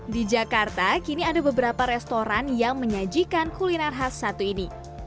di jakarta kini ada beberapa restoran yang menyajikan kuliner khas satu ini